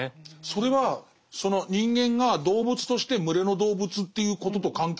それはその人間が動物として群れの動物っていうことと関係あるのかしら。